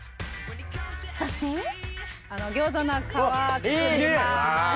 そして餃子の皮包みます。